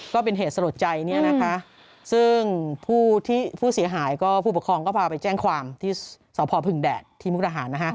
ก็เป็นเหตุสลดใจเนี่ยนะคะซึ่งผู้ที่ผู้เสียหายก็ผู้ปกครองก็พาไปแจ้งความที่สพพึงแดดที่มุกดาหารนะฮะ